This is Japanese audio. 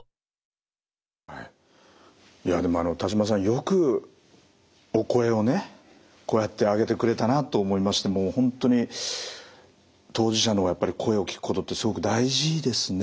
よくお声をねこうやってあげてくれたなと思いましてもう本当に当事者のやっぱり声を聞くことってすごく大事ですね。